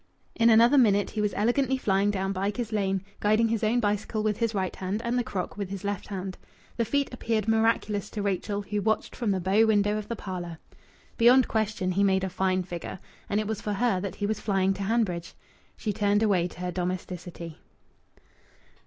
In another minute he was elegantly flying down Bycars Lane, guiding his own bicycle with his right hand and the crock with his left hand. The feat appeared miraculous to Rachel, who watched from the bow window of the parlour. Beyond question he made a fine figure. And it was for her that he was flying to Hanbridge! She turned away to her domesticity.